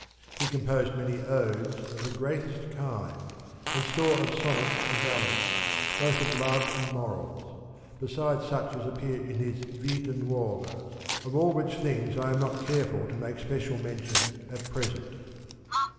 He composed many Odes of the greater kind, and store of Sonnets and Ballads, both of love and morals, besides such as appear in his Vita Nuova ; of all which things I am not careful to make special mention at present.